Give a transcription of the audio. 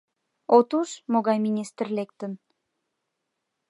От уж, могай министр лектын!